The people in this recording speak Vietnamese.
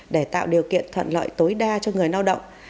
để tạo điều kiện thuận lợi tối đa cho người lao động